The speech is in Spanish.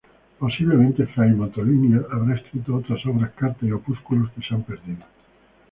Posiblemente Fray Motolinía habrá escrito otras obras, cartas y opúsculos que se han perdido.